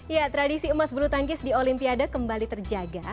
ya tradisi emas bulu tangkis di olimpiade kembali terjaga